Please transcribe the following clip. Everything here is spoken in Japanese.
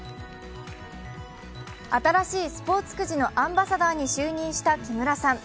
新しいスポーツくじのアンバサダーに就任した木村さん。